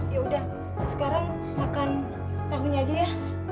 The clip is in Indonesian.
yaudah sekarang makan lahunya aja ya